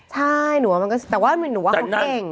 ใช่แต่ว่าหนูว่าเขาเก่ง